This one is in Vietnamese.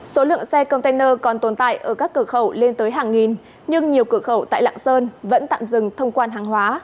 số lượng xe container còn tồn tại ở các cửa khẩu lên tới hàng nghìn nhưng nhiều cửa khẩu tại lạng sơn vẫn tạm dừng thông quan hàng hóa